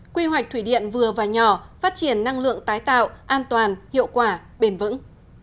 quy hoạch thủy điện vừa và nhỏ phát triển năng lượng tái tạo an toàn hiệu quả bền vững